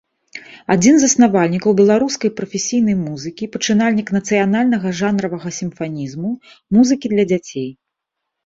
Адзін з заснавальнікаў беларускай прафесійнай музыкі, пачынальнік нацыянальнага жанравага сімфанізму, музыкі для дзяцей.